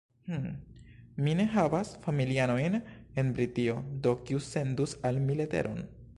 "Hm, mi ne havas familianojn en Britio, do kiu sendus al mi leteron?"